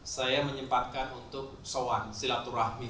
saya menyempatkan untuk soan silaturahmi